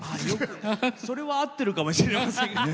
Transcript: それは合ってるかもしれませんが。